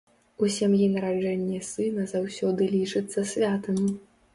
У сям'і нараджэнне сына заўсёды лічыцца святам.